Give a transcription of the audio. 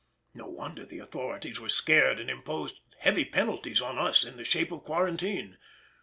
No wonder the authorities were scared and imposed heavy penalties on us in the shape of quarantine.